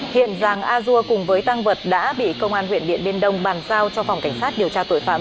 hiện giàng a dua cùng với tăng vật đã bị công an huyện điện biên đông bàn giao cho phòng cảnh sát điều tra tội phạm